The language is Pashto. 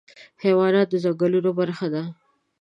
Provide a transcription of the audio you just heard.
حیوانات د ځنګلونو برخه دي.